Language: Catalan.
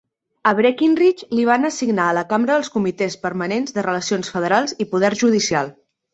A Breckinridge li van assignar a la Cambra els comitès permanents de Relacions Federals i Poder Judicial.